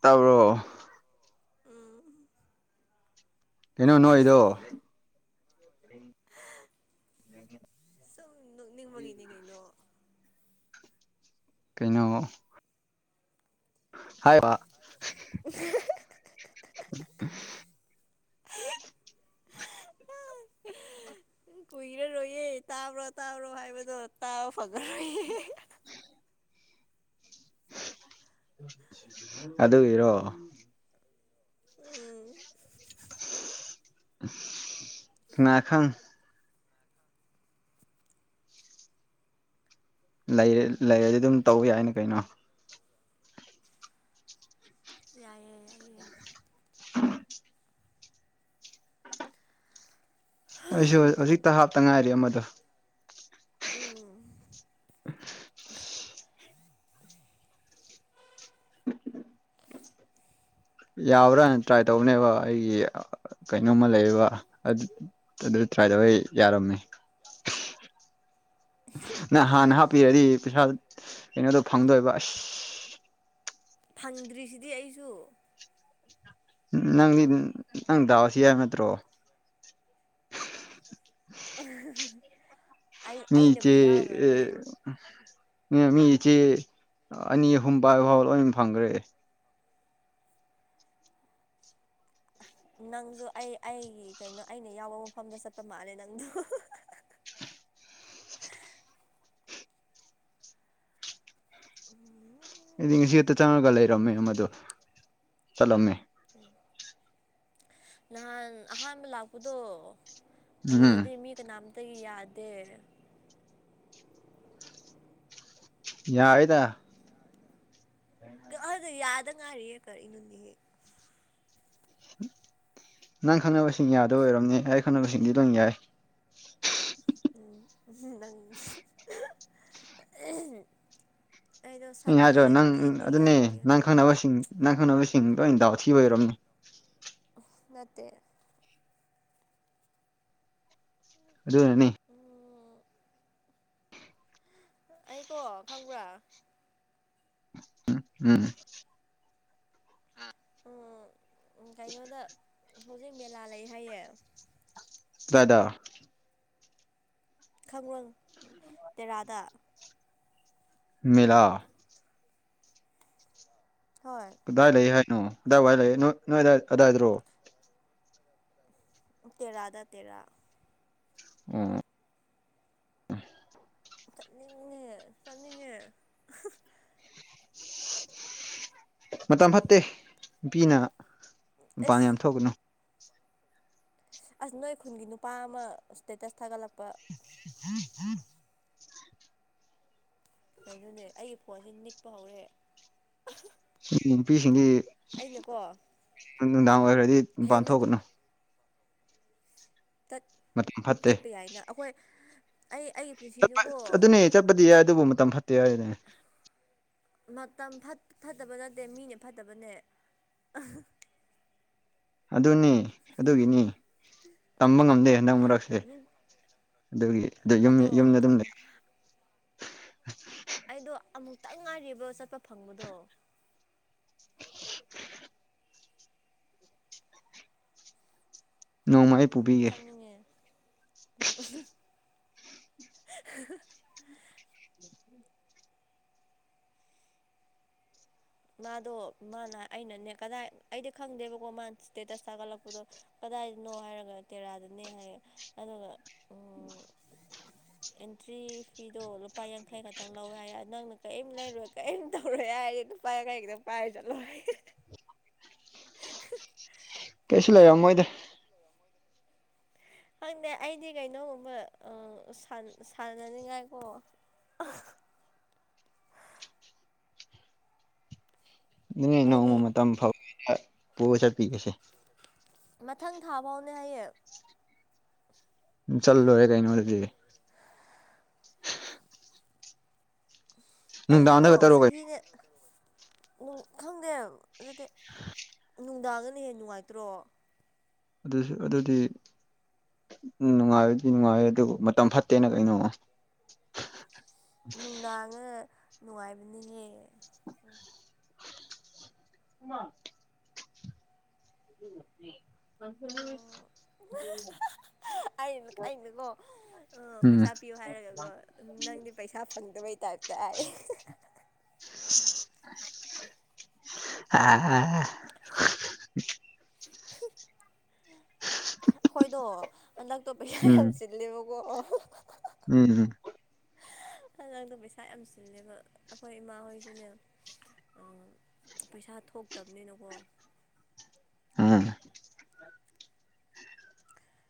ꯇꯧꯔꯣ ꯎꯝ ꯀꯩꯅꯣ ꯅꯣꯛꯢꯗꯣ ꯁꯨꯝ ꯅꯣꯛꯅꯤꯡꯕꯒꯤꯅꯦ ꯀꯩꯅꯣ ꯀꯩꯅꯣ ꯍꯥꯏꯕ [inaudible] ꯀꯨꯏꯔꯔꯣꯏꯌꯦ ꯇꯥꯕ꯭ꯔꯣ ꯇꯥꯕ꯭ꯔꯣ ꯍꯥꯏꯕꯗꯣ ꯇꯥꯕ ꯐꯪꯑꯔꯣꯏꯌꯦ [unintelligible] ꯑꯗꯨꯒꯤꯔꯣ ꯎꯝ ꯀꯅꯥ ꯈꯪ ꯂꯩ ꯂꯩꯔꯗꯤ ꯑꯗꯨꯝ ꯇꯧ ꯌꯥꯏꯅꯦ ꯀꯩꯅꯣ ꯌꯥꯏꯌꯦ ꯌꯥꯏꯌꯦ [unintelligible] ꯑꯩꯁꯨ ꯍꯧꯖꯤꯛꯇ ꯍꯥꯞꯇ ꯉꯥꯏꯔꯤ ꯑꯃꯗꯣ ꯎꯝ ꯎꯝ ꯑ ꯌꯥꯕ꯭ꯔꯥꯅ ꯇ꯭ꯔꯥꯏ ꯇꯧꯕꯅꯦꯕ ꯑꯩꯒꯤ ꯀꯩꯅꯣꯝꯃ ꯂꯩꯌꯦꯕ ꯑꯗꯨ ꯇ꯭ꯔꯥꯏ ꯇꯧꯕ ꯌꯥꯔꯝꯃꯦ ꯅ ꯍꯥꯟꯅ ꯍꯥꯞꯄꯤꯔꯗꯤ ꯄꯩꯁꯥ ꯀꯩꯅꯣꯗꯣ ꯐꯪꯗꯣꯏꯕ ꯑꯁ ꯐꯪꯗ꯭ꯔꯤꯁꯤꯗꯤ ꯑꯩꯁꯨ ꯅꯪꯗꯤ ꯅꯪ ꯗꯥꯎꯁꯤ ꯍꯥꯏꯕ ꯅꯠꯇ꯭ꯔꯣ ꯑꯩ ꯃꯤ ꯑꯩꯅꯕꯨ ꯏꯆꯦ ꯌꯥꯎꯈ꯭ꯔꯗꯤ ꯃꯤ ꯢꯆꯦ ꯑꯅꯤ ꯑꯍꯨꯝ ꯄꯥꯏꯕꯐꯥꯎ ꯂꯣꯏ ꯐꯪꯈ꯭ꯔꯦ ꯅꯪꯁꯨ ꯑꯩ ꯑꯩꯒꯤ ꯀꯩꯅꯣ ꯑꯩꯅ ꯌꯥꯎꯕ ꯃꯐꯝꯗ ꯆꯠꯄ ꯃꯥꯜꯂꯦ ꯅꯪꯗꯣ ꯑꯩꯗꯤ ꯉꯁꯤ ꯈꯥꯛꯇ ꯆꯪꯉꯒ ꯂꯩꯔꯝꯃꯦ ꯃꯗꯨ ꯆꯠꯂꯝꯃꯦ ꯅꯍꯥꯟ ꯑꯍꯥꯟꯕ ꯂꯥꯛꯄꯗꯣ ꯎꯝ ꯑꯗꯨꯗꯗꯤ ꯃꯤ ꯀꯅꯥꯝꯇꯒꯤ ꯌꯥꯗꯦ ꯌꯥꯏꯗ ꯑꯗꯨꯗ ꯌꯥꯗ ꯉꯥꯏꯔꯤꯌꯦ ꯀꯔꯤꯅꯣꯅꯦꯍꯦ ꯅꯪ ꯈꯪꯅꯕꯁꯤꯡ ꯌꯥꯗ ꯑꯣꯏꯔꯝꯅꯤ ꯑꯩ ꯈꯪꯅꯕꯁꯤꯡꯗꯤ ꯂꯣꯏ ꯌꯥꯏ ꯎꯝ ꯅꯪ ꯑꯩꯗꯣ ꯏ ꯍꯥꯏꯔꯣ ꯁꯝꯁꯦ ꯅꯪ ꯀꯦꯟꯗꯤ ꯌꯥꯝ ꯑꯗꯨꯅꯦ ꯀꯦꯜꯂꯦ ꯅꯪ ꯈꯪꯅꯕꯁꯤꯡ ꯅꯪ ꯈꯪꯅꯕꯁꯤꯡꯗꯣ ꯂꯣꯏꯅ ꯗꯥꯎ ꯊꯤꯕ ꯑꯣꯏꯔꯣꯝꯅꯦ ꯅꯠꯇꯦ ꯑꯗꯨꯅꯤ ꯑꯣ ꯑꯩꯀꯣ ꯈꯪꯕ꯭ꯔꯥ ꯎꯝ ꯎꯝ ꯎ ꯀꯩꯅꯣꯗ ꯍꯧꯖꯤꯛ ꯃꯦꯂꯥ ꯂꯩ ꯍꯥꯏꯌꯦ ꯀꯥꯗꯥꯏꯗ ꯈꯡꯕꯔ ꯇꯦꯔꯥꯗ ꯃꯦꯂꯥ ꯍꯣꯏ ꯀꯗꯥꯏ ꯂꯩ ꯍꯥꯏꯅꯣ ꯑꯗꯥꯏ ꯋꯥꯏ ꯂꯩ ꯅ ꯅꯣꯏ ꯑꯗꯥꯏ ꯑꯗꯥꯏꯗ꯭ꯔꯣ ꯇꯦꯔꯥꯗ ꯇꯦ ꯎꯝ ꯆꯠꯅꯤꯡꯉꯦ ꯆꯠꯅꯤꯡꯉꯦ ꯃꯇꯝ ꯐꯠꯇꯦ ꯅꯨꯄꯤꯅ ꯃꯄꯥꯟ ꯌꯥꯝ ꯑꯦꯁ ꯊꯣꯛꯒꯅꯨ ꯑꯁ ꯅꯣꯏ ꯈꯨꯟꯒꯤ ꯅꯨꯄꯥ ꯑꯃ ꯑꯁꯇꯦꯠꯇꯠ ꯊꯥꯒꯠꯂꯛꯄ [inaudible] ꯀꯩꯅꯣꯅꯦ ꯑꯩꯒꯤ ꯐꯣꯟꯁꯤ ꯅꯤꯛꯄ ꯍꯧꯔꯛꯑꯦ ꯅꯨꯄꯤꯁꯤꯡꯗꯤ ꯑꯩꯅꯀꯣ ꯅꯨꯡꯗꯥꯡ ꯑꯣꯏꯈ꯭ꯔꯗꯤ ꯍꯦ ꯃꯄꯥꯟ ꯅꯨ ꯊꯣꯛꯀꯅꯨ ꯆꯠ ꯃꯇꯝ ꯐꯠꯇꯦ ꯆꯠꯄ ꯌꯥꯏꯅ ꯑꯩꯈꯣꯏ ꯑꯩ ꯑꯩꯒꯤ ꯆꯠꯄ ꯄꯨꯟꯁꯤꯗꯨꯀꯣ ꯑꯗꯨꯅꯦ ꯆꯠꯄꯗꯤ ꯌꯥꯏ ꯑꯗꯨꯕꯨ ꯃꯇꯝ ꯐꯠꯇꯦ ꯍꯥꯏꯗꯨꯅꯦ ꯃꯇꯝ ꯐꯠꯇꯕ ꯅꯠꯇꯦ ꯃꯤꯅ ꯐꯠꯇꯕꯅꯦ ꯑꯗꯨꯅꯤ ꯑꯗꯨꯒꯤꯅꯤ ꯇꯝꯕ ꯉꯝꯗꯦ ꯍꯟꯗꯛ ꯃꯔꯛꯁꯦ ꯑꯗꯨꯒꯤ ꯑꯗꯣ ꯌꯨꯝꯗ ꯑꯗꯨꯝ ꯂꯩ ꯑꯩꯗꯣ ꯑꯃꯨꯛꯇꯪ ꯉꯥꯏꯔꯤꯕꯥ ꯆꯠꯄ ꯐꯪꯕꯗꯣ ꯅꯣꯡꯃꯥ ꯑꯩ ꯄꯨꯕꯤꯒꯦ ꯆꯥꯅꯤꯡꯉꯦ ꯃꯥꯗꯣ ꯃꯥꯅ ꯑꯩꯅꯅꯦ ꯀꯗꯥꯏ ꯑꯩꯗꯤ ꯈꯪꯗꯦꯕꯀꯣ ꯃꯥ ꯏꯁꯇꯦꯇꯁ ꯊꯥꯒꯠꯂꯛꯄꯗꯣ ꯀꯗꯥꯏꯗꯅꯣ ꯍꯥꯏꯔꯒ ꯇꯦꯔꯥꯗꯅꯦ ꯍꯥꯏ ꯑꯗꯨꯒ ꯎꯝ ꯑꯦꯟꯇ꯭ꯔꯤ ꯐꯤꯗꯣ ꯂꯨꯄꯥ ꯌꯥꯡꯈꯩ ꯈꯛꯇꯪ ꯂꯧꯋꯦ ꯍꯥꯏ ꯅꯪꯅ ꯀꯔꯤꯝ ꯂꯩꯔꯣꯏ ꯀꯔꯤꯝ ꯇꯧꯔꯣꯏ ꯍꯥꯏꯔꯤꯅꯣ ꯄꯥꯏ ꯀꯔꯤꯒꯤꯈꯤꯇꯪ ꯄꯥꯏꯔ ꯆꯠꯂꯣ [unintelligible] ꯀꯩꯁꯨ ꯂꯩꯔꯝ ꯃꯣꯏꯗ ꯈꯪꯗꯦ ꯑꯩꯗꯤ ꯀꯩꯅꯣꯒꯨꯝꯕ ꯁꯥꯟ ꯁꯥꯟꯅꯅꯤꯡꯉꯥꯏ ꯀꯣ [inaudible] ꯅꯅꯦ ꯑꯩꯗꯤ ꯅꯣꯡꯃ ꯃꯇꯝ ꯐꯥꯎ ꯄꯨꯔ ꯆꯠꯄꯤꯒꯁꯦ ꯃꯊꯪ ꯊꯥ ꯐꯥꯎꯅꯦ ꯍꯥꯏꯌꯦ ꯎ ꯆꯠꯂꯨꯔꯦ ꯀꯩꯅꯣꯔꯗꯤ [unintelligible] ꯑꯩꯗꯤꯀꯣ ꯅꯨꯡꯗꯥꯡꯗꯒ ꯇꯔꯣ ꯀꯩꯅꯣ ꯆꯍꯤꯅꯦꯅꯨꯡ ꯈꯪꯗꯦ ꯑꯗꯨꯗꯤ [unintelligible] ꯅꯨꯡꯗꯥꯡꯗꯅ ꯍꯦ ꯅꯨꯡꯉꯥꯏꯇ꯭ꯔꯣ ꯑꯗꯨꯁꯨ ꯑꯗꯨꯗꯤ ꯅꯨꯡꯉꯥꯏꯔꯗꯤ ꯅꯨꯡꯉꯥꯏꯔꯦ ꯑꯗꯨꯕꯨ ꯃꯇꯝ ꯐꯠꯇꯦꯅ ꯀꯩꯅꯣ ꯅꯨꯡꯗꯥꯡꯉ ꯅꯨꯡꯉꯥꯏꯕꯅꯤꯍꯦ ꯑ [unintelligible] [inaudible] ꯑꯩ ꯑꯩꯅꯀꯣ ꯎꯝ ꯄꯩꯁꯥ ꯄꯤꯌꯨ ꯍꯥꯏꯔꯒꯀꯣ ꯎꯝ ꯅꯪꯗꯤ ꯄꯩꯁꯥ ꯐꯪꯗꯕꯩ ꯇꯥꯏꯞ [unintelligible] ꯑꯥ ꯑꯥ ꯑꯈꯣꯏꯗꯣ ꯍꯟꯗꯛꯇꯣ ꯄꯩꯁꯥ ꯌꯥꯝ ꯆꯤꯜꯂꯦꯕꯀꯣ [unintelligible] ꯎꯝ ꯎꯝ ꯑꯉꯥꯡꯗꯣ ꯄꯩꯁꯥ ꯌꯥꯝ ꯆꯤꯜꯂꯦꯕ ꯑꯩꯈꯣꯏ ꯏꯃꯥ ꯍꯣꯏꯁꯨꯅꯦ ꯄꯩꯁꯥ ꯊꯣꯛꯇꯕꯅꯤꯅꯀꯣ ꯎꯝ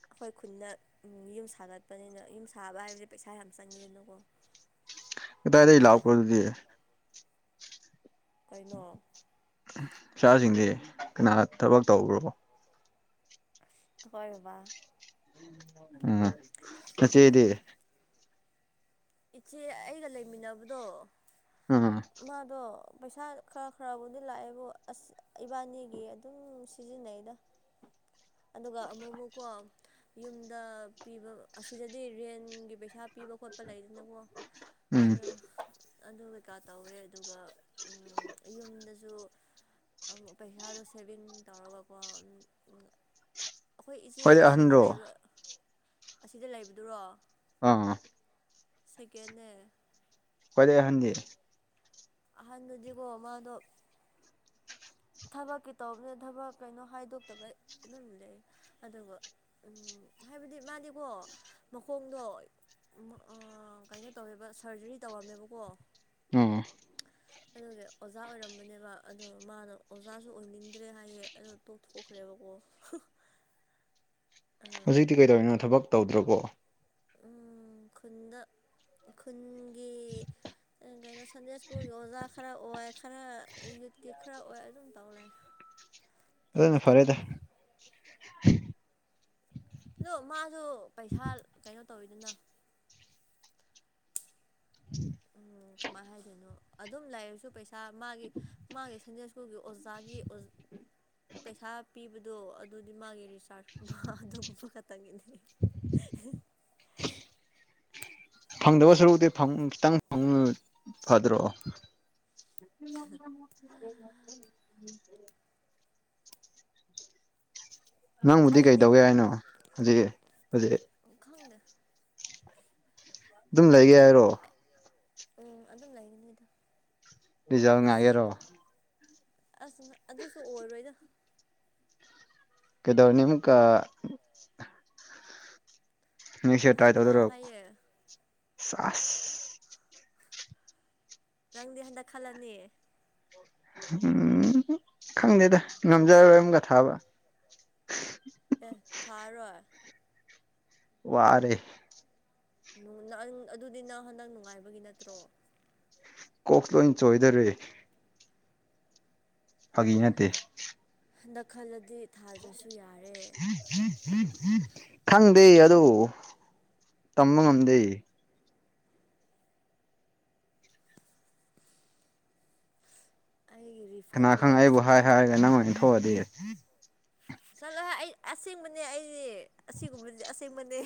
ꯑꯩꯈꯣꯏ ꯈꯨꯟꯗ ꯌꯨꯝ ꯁꯥꯒꯠꯄꯅꯤꯅ ꯌꯨꯝ ꯁꯥꯕ ꯍꯥꯏꯕꯁꯦ ꯄꯩꯁꯥ ꯌꯥꯝ ꯆꯪꯉꯤꯗꯅꯀꯣ ꯀꯗꯥꯗꯩ ꯂꯥꯛꯄꯔ ꯑꯗꯨꯗꯤ ꯀꯩꯅꯣ ꯄꯩꯁꯦꯁꯤꯡꯖꯦ ꯀꯅꯥ ꯊꯕꯛ ꯇꯧꯕ꯭ꯔꯣ ꯈꯣꯏ ꯕꯕꯥ ꯎꯝ ꯅꯆꯦꯗꯤ ꯏꯆꯦ ꯑꯩꯒ ꯂꯩꯃꯤꯟꯅꯕꯗꯣ ꯎꯝ ꯑꯗꯣ ꯄꯩꯁꯥ ꯈꯔ ꯈꯔꯕꯨꯗꯤ ꯂꯥꯛꯑꯦꯕꯨ ꯑꯁ ꯏꯕꯥꯅꯤꯒꯤ ꯑꯗꯨꯝ ꯁꯤꯖꯤꯟꯅꯩꯗ ꯑꯗꯨꯒ ꯑꯃꯨꯛ ꯑꯃꯨꯛꯀꯣ ꯌꯨꯝꯗ ꯄꯤꯕ ꯑꯁꯤꯗꯗꯤ ꯔꯦꯟꯒꯤ ꯄꯩꯁꯥ ꯄꯤꯕ ꯈꯣꯠꯄ ꯂꯩꯗꯅꯀꯣ ꯎꯝ ꯑꯗꯨ ꯑꯗꯨ ꯀꯩꯀꯥ ꯇꯧꯋꯦ ꯑꯗꯨꯒ ꯎꯝ ꯌꯨꯝꯗꯁꯨ ꯄꯩꯁꯥꯗꯣ ꯁꯦꯚꯤꯡ ꯇꯧꯔꯒꯀꯣ ꯑꯩꯈꯣꯏ ꯏꯆꯦ ꯈ꯭ꯋꯥꯏꯗꯩ ꯑꯁꯤꯗ ꯑꯍꯟꯔꯣ ꯂꯩꯕ ꯑꯁꯤꯗ ꯂꯩꯕꯗꯨꯔꯣ ꯑꯥ ꯁꯦꯀꯦꯟꯅ ꯈꯋꯥꯏꯗꯩ ꯑꯍꯟꯗꯤ ꯑꯍꯟꯗꯨꯗꯤꯀꯣ ꯃꯥꯗꯣ ꯊꯕꯛꯀꯤ ꯇꯧꯕꯅꯤ ꯊꯕꯛ ꯀꯩꯅꯣ ꯍꯥꯏꯗꯣꯛꯇꯕ ꯑꯗꯨꯝ ꯂꯩ ꯑꯗꯨꯒ ꯎꯝ ꯍꯥꯏꯕꯗꯤ ꯃꯥꯗꯤꯀꯣ ꯃꯈꯣꯡꯗꯣ ꯎꯝ ꯑ ꯀꯩꯅꯣ ꯇꯧꯋꯦꯕ ꯁꯔꯖꯔꯤ ꯇꯧꯔꯝꯃꯦꯕꯀꯣ ꯑꯣ ꯑꯗꯨꯒꯤ ꯑꯣꯖꯥ ꯑꯣꯏꯔꯝꯕꯅꯦꯕ ꯑꯗꯣ ꯃꯥꯗꯣ ꯑꯣꯖꯥꯁꯨ ꯑꯣꯏꯅꯤꯡꯗ꯭ꯔꯦ ꯍꯥꯏꯌꯦ ꯑꯗꯨ ꯇꯣꯛꯊꯣꯛꯈ꯭ꯔꯦꯕꯀꯣ ꯑ ꯇꯤ ꯀꯩꯗꯧꯔꯤꯅꯣ ꯊꯕꯛꯇꯧꯗ꯭ꯔꯕꯣ ꯎ ꯈꯨꯟꯗ ꯈꯨꯟꯒꯤ ꯀꯩꯅꯣ ꯁꯟꯗꯦ ꯁ꯭ꯀꯨꯜꯒꯤ ꯑꯣꯖꯥ ꯈꯔ ꯑꯣꯏ ꯈꯔ ꯌꯨꯠꯀꯤ ꯈꯔ ꯑꯣꯏ ꯑꯗꯨꯝ ꯇꯧꯔꯦ ꯍ ꯐꯔꯦꯗ ꯑꯗꯣ ꯃꯥꯁꯨ ꯄꯩꯁꯥ ꯀꯩꯅꯣ ꯇꯧꯋꯤꯗꯅ ꯎꯝ ꯎꯝ ꯀꯃꯥꯏ ꯍꯥꯏꯗꯣꯏꯅꯣ ꯑꯗꯨꯝ ꯂꯥꯏꯔꯤꯛꯁꯨ ꯄꯩꯁꯥ ꯃꯥꯒꯤ ꯃꯥꯒꯤ ꯁꯟꯖꯦꯁꯨ ꯀꯣ ꯑꯣꯖꯥꯒꯤ ꯄꯩꯁꯥ ꯄꯤꯕꯗꯣ ꯑꯗꯨꯗꯤ ꯃꯥꯒꯤ ꯔꯤꯆꯥꯔꯖꯀꯨꯝꯕ ꯑꯗꯨꯒꯨꯝꯕ ꯇꯒꯗꯅꯤ [inaudible] ꯐꯪꯗꯕ ꯁꯔꯨꯛꯗꯤ ꯐꯪ ꯈꯤꯇꯪ ꯐꯪ ꯐꯗ꯭ꯔꯣ [unintelligible] ꯅꯪꯕꯨꯗꯤ ꯑꯩꯅꯤꯀꯣ ꯀꯩꯗꯧꯋꯦ ꯍꯥꯏꯅꯣ ꯍꯧꯖꯤꯛ ꯍꯧꯖꯤꯛ ꯎꯝ ꯈꯪꯗꯦ ꯑꯗꯨꯝ ꯂꯩꯒꯦ ꯍꯥꯏꯔꯣ ꯎꯝ ꯑꯗꯨꯝ ꯂꯩꯒꯅꯤꯗ ꯗꯤꯖꯥꯎ ꯉꯒꯦꯔꯣ ꯑꯁ ꯑꯗꯨꯁꯨ ꯑꯣꯏꯔꯣꯏꯗ ꯀꯗꯔꯅꯤ ꯃꯨꯛꯀ ꯃꯤꯁ ꯇꯥꯏ ꯃꯊꯪ ꯊꯥꯎ ꯇꯗ꯭ꯔꯣ ꯍꯥꯏꯌꯦ ꯁꯥ ꯅꯪꯗꯤ ꯍꯟꯗꯛ ꯈꯜꯂꯅꯤ ꯎꯝ ꯈꯪꯗꯦꯗ ꯉꯝꯖꯔꯔꯣꯏ ꯑꯃꯒ ꯊꯥꯕ ꯑꯦ ꯊꯥꯔꯔꯣꯏ ꯋꯥꯔꯦ ꯅ ꯑꯗꯨꯗꯤ ꯅ ꯍꯟꯗꯛ ꯅꯨꯡꯉꯥꯏꯕꯒꯤ ꯅꯠꯇ꯭ꯔꯣ ꯀꯣꯛꯁꯦ ꯂꯣꯏꯅ ꯆꯣꯏꯗꯣꯔꯦ ꯐꯥꯒꯤ ꯅꯠꯇꯦ ꯍꯟꯗꯛ ꯈꯜꯂꯗꯤ ꯊꯥꯗ꯭ꯔꯁꯨ ꯌꯥꯔꯦ ꯈꯪꯗꯦ ꯑꯗꯨ ꯇꯝꯕ ꯉꯝꯗꯦ ꯍꯥꯏꯒꯤꯦꯔꯤ ꯀꯅꯥ ꯈꯪ ꯑꯩꯕꯨ ꯍꯥꯏꯔꯒ ꯅꯪ ꯑꯣꯏꯅ ꯊꯣꯛꯑꯗꯤ ꯆꯠꯂꯣ ꯍꯦ ꯑꯩ ꯑꯁꯦꯡꯕꯅꯦ ꯑꯩꯗꯤ ꯑꯁꯤꯒꯨꯝꯕꯗꯤ ꯑꯁꯦꯡꯕꯅꯦ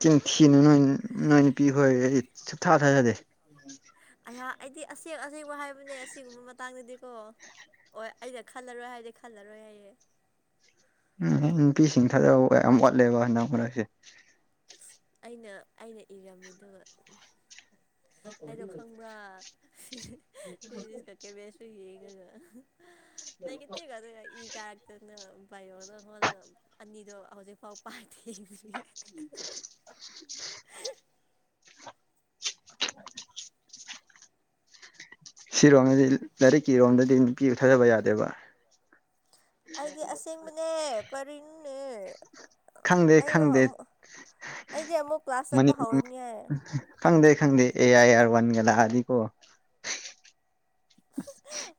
ꯆꯦꯡ ꯊꯤꯅꯨ ꯅꯣꯏ ꯅꯣꯏ ꯅꯨꯄꯤ ꯍꯣꯏ ꯑꯩꯗꯤ ꯁꯨꯞꯊꯥ ꯊꯥꯖꯗꯦ ꯑꯩꯌꯥ ꯑꯩꯗꯤ ꯑꯁꯦꯡ ꯑꯁꯦꯡꯕ ꯍꯥꯏꯕꯅꯦ ꯑꯁꯤꯒꯨꯝꯕ ꯃꯇꯥꯡꯗꯗꯤꯀꯣ ꯑꯣ ꯑꯩꯩꯅ ꯈꯜꯂꯔꯣꯏ ꯍꯥꯏꯗꯤ ꯈꯜꯂꯔꯣꯏ ꯍꯥꯏꯌꯦ ꯎꯝ ꯅꯨꯄꯤꯁꯤꯡ ꯊꯥꯖꯕ ꯌꯥꯝ ꯋꯥꯠꯂꯦꯕ ꯅ ꯃꯔꯛꯁꯦ ꯑꯩꯅ ꯑꯩꯅ ꯏꯔꯝꯃꯤꯗꯨ ꯍꯥꯏꯗꯣ ꯈꯪꯕ꯭ꯔꯥ ꯐꯤꯖꯤꯛꯁꯀ ꯀꯦꯕꯦꯁꯁꯨ ꯌꯦꯡꯉꯒ ꯅ ꯀꯠꯇꯦꯒ ꯑꯗꯨꯒ [inaudible] ꯑꯗꯨꯅ ꯕꯥꯏꯔꯣꯛꯅ ꯍꯣꯜꯂꯒ ꯑꯅꯤꯗꯣ ꯍꯧꯖꯤꯛꯐꯥꯎ ꯄꯥꯏ ꯊꯦ [inaudible] ꯁꯤꯔꯣꯝꯗꯗꯤ ꯂꯥꯏꯔꯤꯛꯀꯤꯔꯣꯝꯗꯗꯤ ꯅꯨꯄꯤꯕꯨ ꯊꯥꯖꯕ ꯌꯥꯗꯦꯕ ꯑꯩꯗꯤ ꯑꯁꯦꯡꯕꯅꯦ ꯀꯔꯤꯦ ꯈꯪꯗꯦ ꯑꯩꯔꯣ ꯈꯪꯗꯦ ꯑꯃꯨꯛ ꯑꯩꯗꯤꯦ ꯑꯃꯨꯛ ꯀ꯭ꯂꯥꯁ ꯆꯠꯄ ꯃꯅꯤ ꯍꯧꯔꯅꯤ ꯌꯥ ꯈꯪꯗꯦ ꯈꯪꯗꯦ ꯑꯦ ꯑꯥꯏ ꯑꯥꯔ ꯋꯥꯟꯒ ꯂꯥꯛꯑꯗꯤꯀꯣ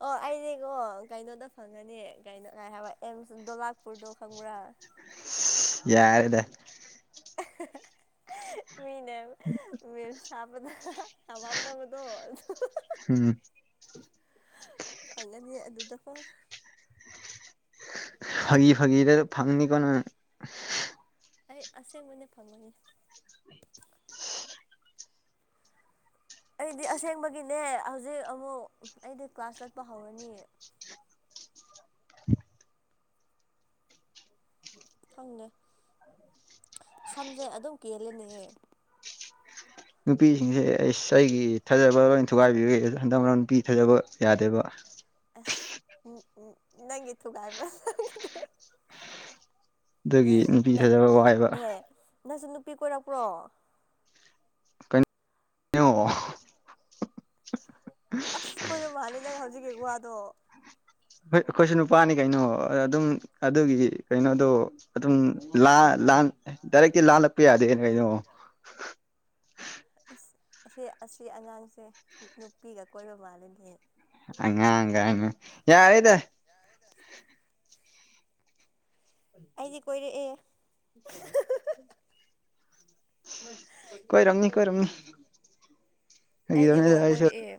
ꯑꯣ ꯑꯩꯅꯦꯀꯣ ꯀꯩꯅꯣꯗ ꯈꯪꯉꯅꯤ ꯀꯥꯏꯩꯅꯣ ꯀꯥꯏ ꯍꯥꯏꯕ ꯑꯦꯝꯁ ꯗꯣꯂꯥꯛꯄꯨꯔꯗꯣ ꯈꯪꯕ꯭ꯔꯥ ꯌꯥꯔꯦꯗ [unintelligible] ꯃꯤꯅ ꯃꯤꯝꯁ ꯍꯥꯞꯄꯗ ꯊꯃꯝꯗ ꯃꯗꯣ ꯎꯝ ꯐꯜꯂꯅꯤ ꯑꯗꯨꯗꯀꯣ ꯐꯥꯒꯤ ꯐꯥꯒꯤꯗ ꯐꯪꯅꯤ ꯀꯣꯅꯪ ꯑꯩ ꯑꯁꯦꯡꯕꯅꯦ ꯐꯪꯕꯅꯤ ꯑꯩꯗꯤ ꯑꯁꯦꯡꯕꯒꯤꯅꯦ ꯍꯧꯖꯤꯛ ꯑꯃꯨꯛ ꯑꯩꯗꯤ ꯀ꯭ꯂꯥꯁ ꯆꯠꯄ ꯍꯧꯔꯅꯤ ꯈꯪꯗꯦ ꯁꯝꯁꯦ ꯑꯗꯨꯝ ꯀꯦꯜꯂꯦꯅꯦꯍꯦ ꯅꯨꯄꯤꯁꯤꯡꯁꯦ ꯑꯩꯁ ꯑꯩꯒꯤ ꯊꯥꯖꯕ ꯂꯣꯏ ꯊꯨꯒꯥꯏꯕꯤꯒ꯭ꯔꯦ ꯍꯟꯗꯛ ꯃꯔꯛ ꯅꯨꯄꯤ ꯊꯥꯖꯕ ꯌꯥꯗꯦꯕ ꯑꯁ ꯎꯝ ꯅꯪꯒꯤ ꯊꯨꯒꯥꯏꯕ ꯑꯗꯨꯒꯤ ꯅꯨꯄꯤ ꯊꯥꯖꯕ ꯋꯥꯏꯕ ꯑꯦ ꯅꯪꯁꯨ ꯅꯨꯄꯤ ꯀꯣꯏꯔꯛꯄ꯭ꯔꯣ ꯀꯩꯅꯣ [unintelligible] ꯑꯁ ꯀꯣꯏꯔꯣ ꯃꯥꯂ ꯅꯪ ꯍꯧꯖꯤꯛꯀꯤ ꯋꯥꯗꯣ ꯍꯣꯏ ꯑꯩꯈꯣꯏꯁꯨ ꯅꯨꯄꯥꯅꯤ ꯀꯩꯅꯣ ꯑꯗꯨꯝ ꯑꯗꯨꯒꯤ ꯀꯩꯅꯣꯗꯣ ꯑꯗꯨꯝ ꯂꯥꯟ ꯂꯥꯟ ꯗꯥꯏꯔꯦꯛꯇꯤ ꯂꯥꯜꯂꯛꯄ ꯌꯥꯗꯦ ꯀꯩꯅꯣ ꯁ ꯑꯁꯤ ꯑꯁꯤ ꯑꯉꯥꯡꯁꯦ ꯅꯨꯄꯤꯒ ꯀꯣꯏꯕ ꯃꯥꯜꯂꯤꯅꯦ ꯑꯉꯥꯡꯒꯥꯏꯅ ꯌꯥꯔꯦꯗ ꯌꯥ ꯍꯥꯏꯗ ꯑꯩꯗꯤ ꯀꯣꯏꯔꯛꯑꯦ ꯎ ꯀꯣꯏ ꯔꯝꯅꯤ ꯀꯣꯏ ꯔꯝꯅꯤ ꯑꯩꯗꯤꯀꯣ ꯀꯣꯏꯔꯛꯑꯦ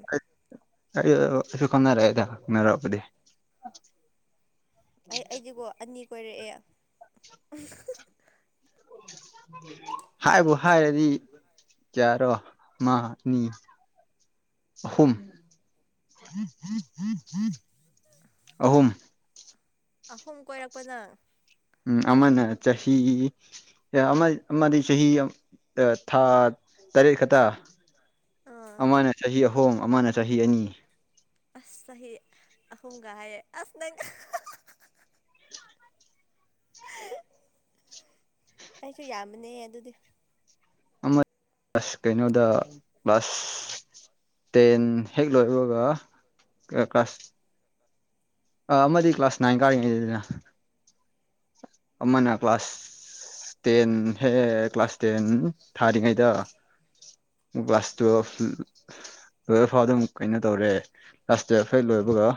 ꯑꯩꯁꯨꯨꯀꯅꯥꯔꯦ ꯍꯥꯏꯗꯥꯏ ꯍꯪꯅꯔꯛꯄꯗꯤ ꯑꯩ ꯑꯩꯗꯤꯀꯣ ꯑꯅꯤ ꯀꯣꯏꯔꯛꯑꯦ ꯍꯥꯏꯕꯨ ꯍꯥꯏꯔꯗꯤ ꯆꯔꯣ ꯃꯥꯅꯤ ꯑꯍꯨꯝ ꯑꯍꯨꯝ ꯑꯍꯨꯝ ꯀꯣꯏꯔꯛꯄꯅ ꯎꯝ ꯑꯃꯅ ꯆꯍꯤ ꯑꯦ ꯑꯃꯗꯤ ꯆꯍꯤ ꯊꯥ ꯇꯔꯦꯠ ꯈꯛꯇ ꯑꯥ ꯑꯃꯅ ꯆꯍꯤ ꯑꯍꯨꯝ ꯑꯃꯅ ꯆꯍꯤ ꯑꯅꯤ ꯑꯁ ꯆꯍꯤ ꯑꯍꯨꯝꯒ ꯍꯥꯏꯌꯦ ꯑꯁ ꯅꯪ ꯑꯩꯁꯨ ꯌꯥꯝꯕꯅꯦ ꯑꯗꯨꯗꯤ ꯑꯃ ꯑꯁ ꯀꯩꯅꯣꯗ ꯀꯂꯥꯁ ꯇꯦꯟ ꯍꯦꯛ ꯂꯣꯏꯕꯒ ꯀ꯭ꯂꯥꯁ ꯑ ꯑꯃꯗꯤ ꯀ꯭ꯂꯥꯁ ꯅꯥꯏꯟ ꯀꯥꯔꯤꯉꯩꯗꯗꯅ ꯑꯃꯅ ꯀ꯭ꯂꯥꯁ ꯇꯦꯟ ꯍꯦ ꯀ꯭ꯂꯥꯁ ꯇꯦꯟ ꯊꯥꯔꯤꯉꯩꯗ ꯒꯂꯥꯁ ꯇꯨꯏꯜꯐ ꯂꯣꯏꯐꯥꯎ ꯑꯗꯨꯝ ꯀꯩꯅꯣ ꯇꯧꯔꯦ ꯀꯂꯥꯁ ꯇꯨꯏꯜꯐ ꯐꯥꯎ ꯂꯣꯏꯕꯒ